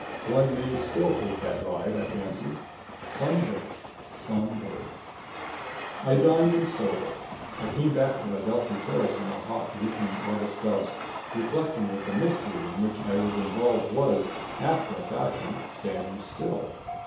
One may still take that ride, I fancy. Some day some day I dined in Soho. I came back to Adelphi Terrace in the hot, reeking August dusk, reflecting that the mystery in which I was involved was, after a fashion, standing still.